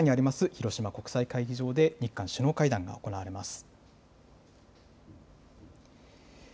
広島国際会議場で、日韓首脳会談が行われます。